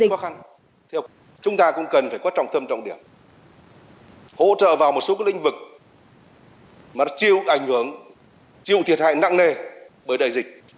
với gói hỗ trợ trọng tâm trọng điểm vào các lĩnh vực chịu ảnh hưởng nặng nề của đại dịch